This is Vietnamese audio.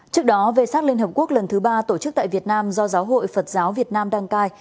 trước đó về sắc liên hợp quốc lần thứ ba tổ chức tại việt nam do giáo hội phật giáo việt nam đăng cai